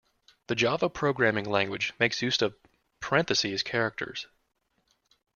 The Java programming language makes use of parentheses characters.